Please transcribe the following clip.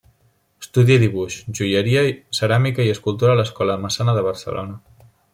Estudia dibuix, joieria, ceràmica i escultura a l'Escola Massana de Barcelona.